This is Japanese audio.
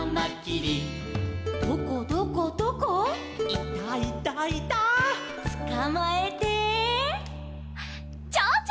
「いたいたいた」「つかまえて」「ちょうちょ！」